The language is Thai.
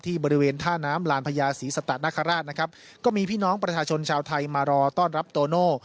บริเวณท่าน้ำลานพญาศรีสัตนคราชนะครับก็มีพี่น้องประชาชนชาวไทยมารอต้อนรับโตโน่